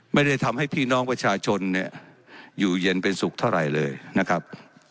ไม่ได้ทำให้พี่น้องประชาชนเนี่ยอยู่เย็นเป็นสุขเท่าไหร่เลยนะครับ